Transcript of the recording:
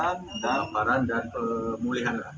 dan pemulihan warga warga yang terdampak